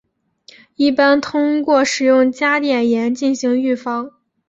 一般通过使用加碘盐进行预防。